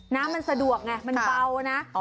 นะมันสะดวกไงมันเปล่านะ